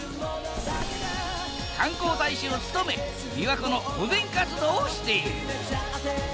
観光大使を務めびわ湖の保全活動をしている。